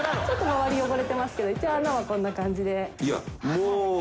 ちょっと周り汚れてますが一応穴はこんな感じで。